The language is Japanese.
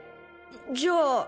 じゃあ。